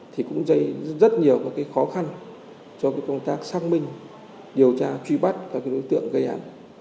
thì cũng dây rất nhiều cái khó khăn cho cái công tác xác minh điều tra truy bắt các cái đối tượng gây hạn